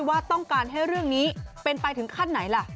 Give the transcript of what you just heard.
ว่าต้องการให้เรื่องนี้เป็นไปถึงขั้นไหนล่ะ